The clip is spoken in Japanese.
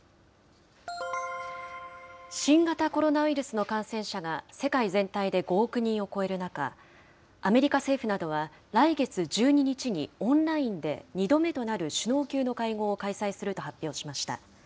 新型コロナウイルスの感染者が世界全体で５億人を超える中、アメリカ政府などは、来月１２日にオンラインで２度目となる首脳級の会合を開催すると発表しました。